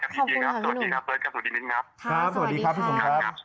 สวัสดีครับสวัสดีครับสวัสดีครับสวัสดีครับสวัสดีครับ